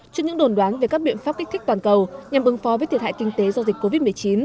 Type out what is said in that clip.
trước những đồn đoán về các biện pháp kích thích toàn cầu nhằm ứng phó với thiệt hại kinh tế do dịch covid một mươi chín